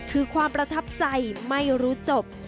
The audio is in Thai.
คือความประทับใจไม่รู้จบ